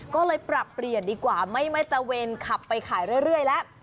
ก็เลยปรับเปลี่ยนดีกว่าไม่ตะเวนขับไปขายเรื่อยแล้ว